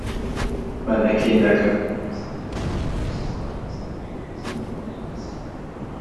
"Maneki-neko" comes in different colors, styles and degrees of ornateness.